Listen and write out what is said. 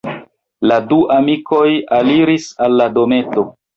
La du amikoj aliris al la dometo.